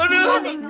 aduh apaan tuh